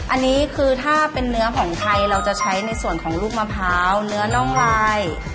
อันนี้คือถ้าเป็นเนื้อของไทยเราจะใช้ในส่วนของลูกมะพร้าวเนื้อน่องลาย